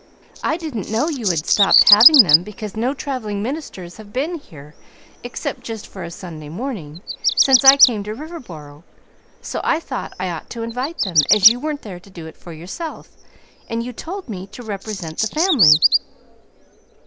I didn't know you had stopped having them because no traveling ministers have been here, except just for a Sunday morning, since I came to Riverboro. So I thought I ought to invite them, as you weren't there to do it for yourself, and you told me to represent the family."